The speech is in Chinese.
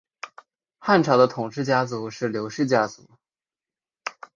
汉朝的统治家族是刘氏家族。